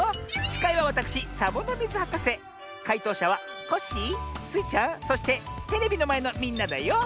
しかいはわたくしサボノミズはかせかいとうしゃはコッシースイちゃんそしてテレビのまえのみんなだよ。